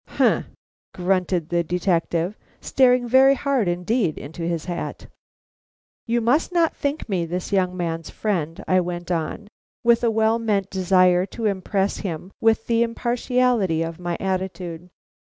"Humph!" grunted the detective, staring very hard indeed into his hat. "You must not think me this young man's friend," I went on, with a well meant desire to impress him with the impartiality of my attitude.